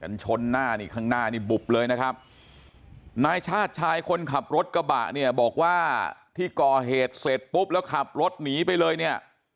ชนหน้านี่ข้างหน้านี่บุบเลยนะครับนายชาติชายคนขับรถกระบะเนี่ยบอกว่าที่ก่อเหตุเสร็จปุ๊บแล้วขับรถหนีไปเลยเนี่ย